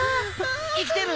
生きてる！